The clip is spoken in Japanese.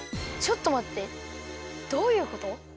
ちょっとまってどういうこと？